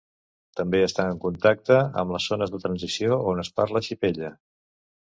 També està en contacte amb les zones de transició on es parla xipella.